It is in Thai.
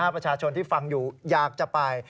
ประชาชนที่ฟังอยู่อยากจะไป